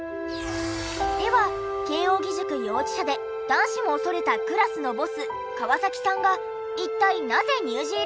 では慶應義塾幼稚舎で男子も恐れたクラスのボス河崎さんが一体なぜニュージーランドに？